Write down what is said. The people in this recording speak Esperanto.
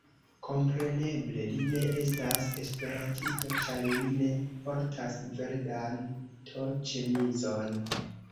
Kompreneble li ne estas esperantisto ĉar li ne portas verdan t-ĉemizon.